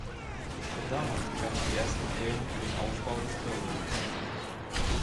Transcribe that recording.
Schon damals begannen die ersten Pläne für den Ausbau des Terminals.